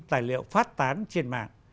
tài liệu phát tán trên mạng